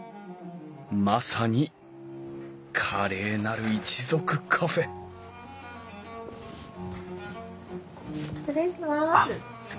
まさに「華麗なる一族カフェ」失礼します。